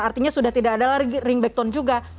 artinya sudah tidak ada lagi ringback tone juga